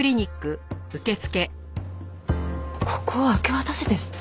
ここを明け渡せですって？